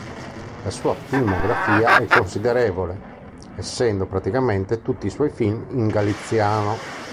La sua filmografia è considerevole, essendo praticamente tutti i suoi film in galiziano.